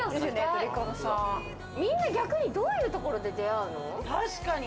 みんな逆にどういうところで出会うの？